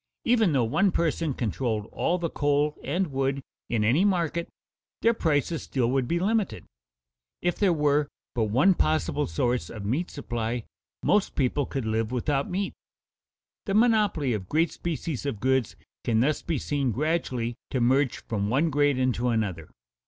Even though one person controlled all the coal and wood in any market, their prices still would be limited. If there were but one possible source of meat supply, most people could live without meat. The monopoly of great species of goods can thus be seen gradually to merge from one grade into another.